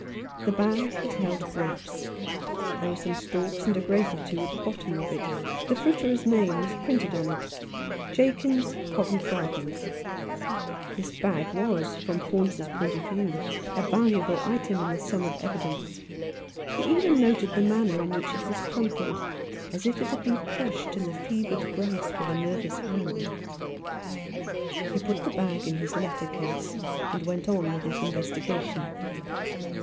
The bag had held grapes. There were some stalks and a grape or two at the bottom of it. The fruiterer's name was printed on it, "Jakins, Covent Garden." This bag was, from Faunce's point of view, a valuable item in the sum of evi dence. He even noted the manner in which it was crumpled, as if it had been crushed in the fevered grasp of a nervous hand. He put the bag in his letter case, and went on with his investiga tion.